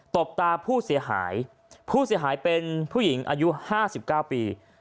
ตบตาผู้เสียหายผู้เสียหายเป็นผู้หญิงอายุห้าสิบเก้าปี